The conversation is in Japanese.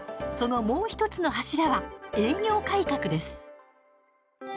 そのもう１つの柱は営業改革です。